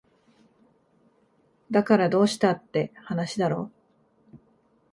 だからどうしたって話だろ